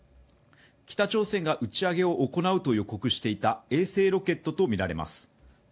北朝鮮が打ち上げを行うと予告していた衛星ロケットとみられます。